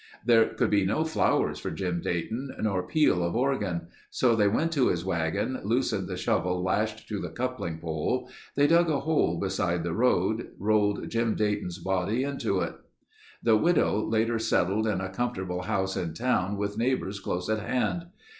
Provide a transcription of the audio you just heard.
There could be no flowers for Jim Dayton nor peal of organ. So they went to his wagon, loosened the shovel lashed to the coupling pole. They dug a hole beside the road, rolled Jim Dayton's body into it. The widow later settled in a comfortable house in town with neighbors close at hand.